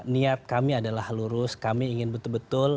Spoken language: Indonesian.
niat kami adalah lurus kami ingin betul betul